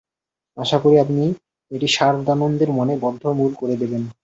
আশা করি, আপনি এটা সারদানন্দের মনে বদ্ধমূল করে দেবেন।